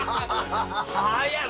早い。